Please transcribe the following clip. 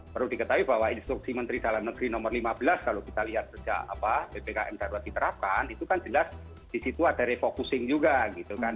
perlu diketahui bahwa instruksi menteri dalam negeri nomor lima belas kalau kita lihat sejak ppkm darurat diterapkan itu kan jelas disitu ada refocusing juga gitu kan